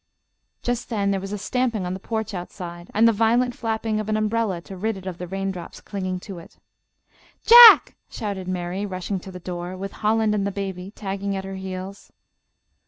Just then there was a stamping on the porch outside, and the violent flapping of an umbrella to rid it of the raindrops clinging to it. "Jack!" shouted Mary, rushing to the door, with Holland and the baby tagging at her heels.